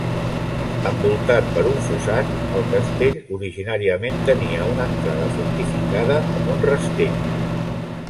Envoltat per un fossat, el castell originàriament tenia una entrada fortificada amb un rastell.